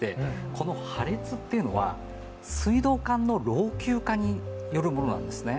この破裂というのは、水道管の老朽化によるものなんですね。